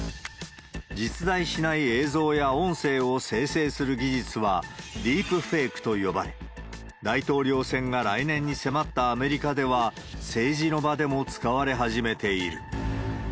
実在しない映像や音声を生成する技術は、ディープフェイクと呼ばれ、大統領選が来年に迫ったアメリカでは、政治の場でも使われ始めている。